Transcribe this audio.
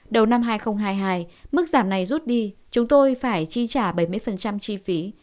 đầu năm hai nghìn hai mươi hai mức giảm này rút đi chúng tôi phải chi trả bảy mươi chi phí